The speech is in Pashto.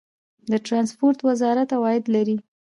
د ټرانسپورټ وزارت عواید لري؟